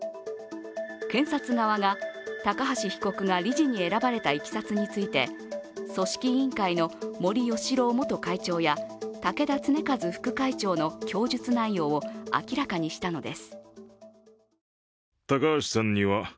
検察側が高橋被告が理事に選ばれたいきさつについて組織委員会の森喜朗元会長や竹田恒和副会長の供述内容を明らかにしたのです。